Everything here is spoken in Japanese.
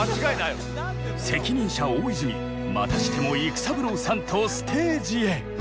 責任者・大泉またしても育三郎さんとステージへ。